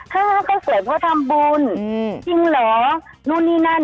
ถ้าเขาสวยเพราะทำบุญจริงเหรอนู่นนี่นั่น